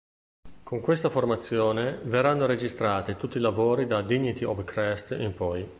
Con questa formazione verranno registrati tutti i lavori da "Dignity of crest" in poi.